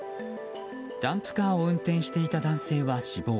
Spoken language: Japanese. ダンプカーを運転していた男性は死亡。